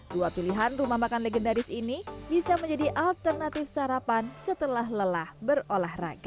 dua pilihan rumah makan legendaris ini bisa menjadi alternatif sarapan setelah lelah berolahraga